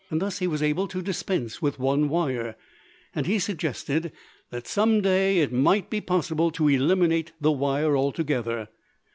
Thus he was able to dispense with one wire, and he suggested that some day it might be possible to eliminate the wire altogether.